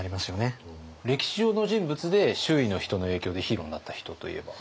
歴史上の人物で周囲の人の影響でヒーローになった人といえば？